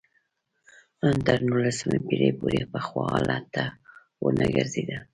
ان تر نولسمې پېړۍ پورې پخوا حالت ته ونه ګرځېده